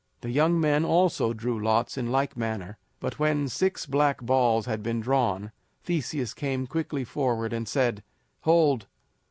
The young men also drew lots in like manner, but when six black balls had been drawn Theseus came quickly forward and said: "Hold!